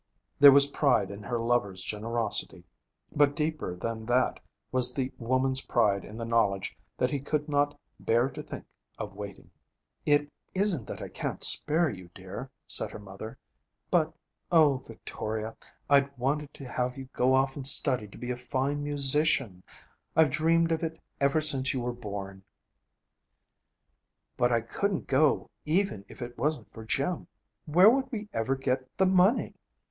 There was pride in her lover's generosity. But deeper than that was the woman's pride in the knowledge that he could not 'bear to think of waiting.' 'It isn't that I can't spare you, dear,' said her mother. 'But, O Victoria, I'd wanted to have you go off and study to be a fine musician. I've dreamed of it ever since you were born.' 'But I couldn't go even if it wasn't for Jim. Where would we ever get the money?